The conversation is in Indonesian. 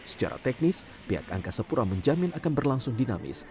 secara teknis pihak angka sepura menjamin akan berlangsung dinamis